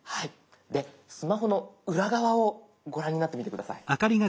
でスマホの裏側をご覧になってみて下さい。